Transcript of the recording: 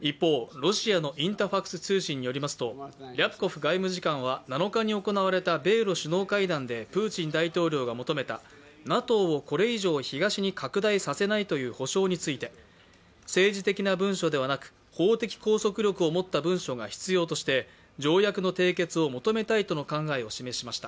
一方、ロシアのインタファクス通信によりますとリャプコフ外務次官は７日に行われた米ロ首脳会談でプーチン大統領が求めたＮＡＴＯをこれ以上東に拡大させないという保証について政治的な文書ではなく法的拘束力を持った文書が必要として条約の締結を求めたいとの考えを示しました。